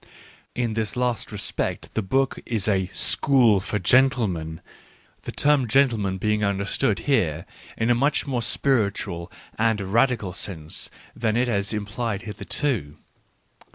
In this last respect the book is a school for gentlemen — the term gentleman being understood here in a much more spiritual and radical sense than it has implied hither to.